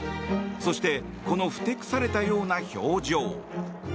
そして、このふてくされたような表情。